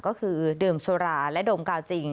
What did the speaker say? ก็คือเดิมสุราและดมกาวถือจริง